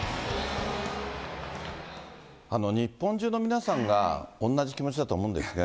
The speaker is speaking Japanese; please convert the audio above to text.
日本中の皆さんが同じ気持ちだと思うんですよね。